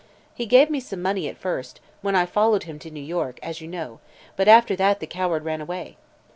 He gave me some money at first, when I followed him to New York, as you know; but after that the coward ran away.